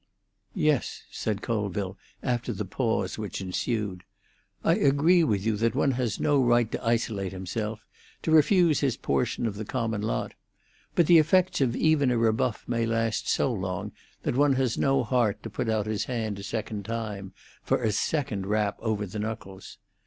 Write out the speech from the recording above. "Yes," said Colville, after the pause which ensued; "I agree with you that one has no right to isolate himself, to refuse his portion of the common lot; but the effects of even a rebuff may last so long that one has no heart to put out his hand a second time—for a second rap over the knuckles.